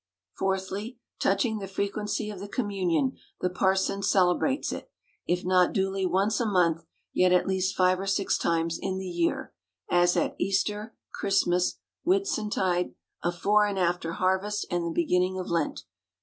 — Fourthly, touching the frequency of the communion, the parson celebrates it, if not duly once a month, yet at least five or six times in the year ; as, at Easter, Christmas, Whitsuntide, afore and after harvest, and the beginning of Lent.